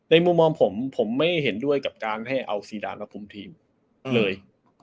มุมมองผมผมไม่เห็นด้วยกับการให้เอาซีดานมาคุมทีมเลย